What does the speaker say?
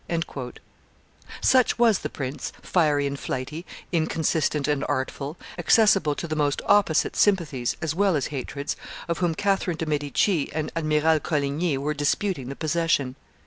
[Illustration: Charles IX. and Catherine de' Medici 354] Such was the prince, fiery and flighty, inconsistent and artful, accessible to the most opposite sympathies as well as hatreds, of whom Catherine de' Medici and Admiral Coligny were disputing the possession.